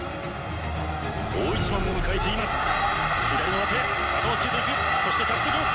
大一番を迎えています。